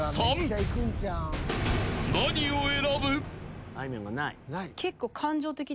［何を選ぶ？］